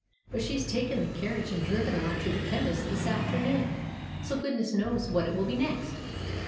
But she's taken the carriage and driven off to the chemist's this afternoon, so good ness knows what it will be next.